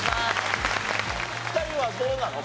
２人はどうなの？